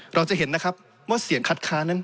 เราจะเห็นนะครับว่าเสียงคัดค้านนั้น